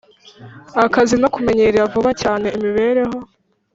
Akazi no kumenyera vuba cyane imibereho